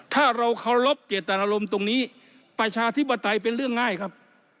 ถ้าเราเคารพเจตนารมณ์ตรงนี้ประชาธิปไตยเป็นเรื่องง่ายครับ